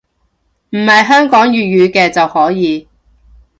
唔係香港粵語嘅可以